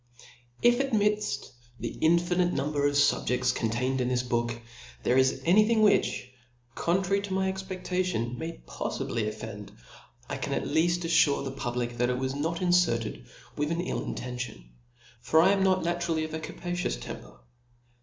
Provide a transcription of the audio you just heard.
IF amidd the iofinite number of fubjeds contained in this booki there is any thing, which, contrary to my expcdlation, may poffibly offend, I can at lead aflure the pub lic, that it wa^ not inferted with an ill inten tion : for 1 am not naturally of a cap tious temper.